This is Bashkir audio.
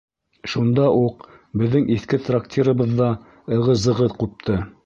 Шунда уҡ беҙҙең иҫке трактирыбыҙҙа ығы-зығы ҡупты.